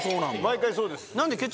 毎回そうです。